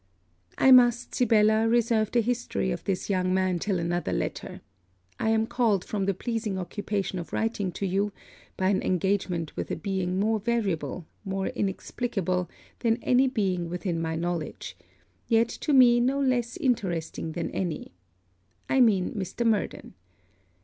I must, Sibella, reserve the history of this young man till another letter. I am called from the pleasing occupation of writing to you, by an engagement with a being more variable, more inexplicable, than any being within my knowledge, yet to me not less interesting than any. I mean Mr. Murden.